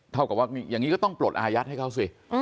เท่ากับว่าอย่างนี้ก็ต้องปลดอายัดให้เขาสิ